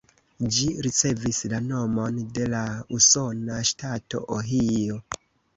Ĝi ricevis la nomon de la usona ŝtato Ohio.